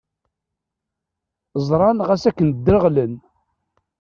Ẓran ɣas akken ddreɣlen.